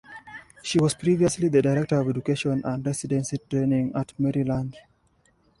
She was previously the Director of Education and Residency Training at Maryland.